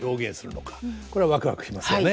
これはワクワクしますよね。